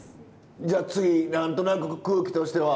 じゃあ次何となく空気としては。